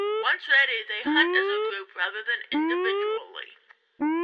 Once ready, they hunt as a group rather than individually.